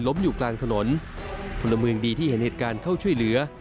อยู่กลางถนนพลเมืองดีที่เห็นเหตุการณ์เข้าช่วยเหลือ